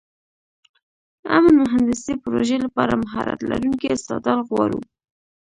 امن مهندسي پروژې لپاره مهارت لرونکي استادان غواړو.